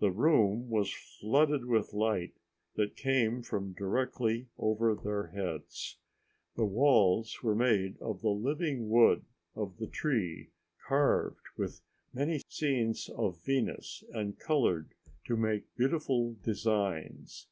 The room was flooded with light that came from directly over their heads. The walls were made of the living wood of the tree carved with many scenes of Venus and colored to make beautiful designs.